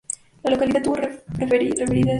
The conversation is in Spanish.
La localidad tipo referida es: ‘‘Perú’’.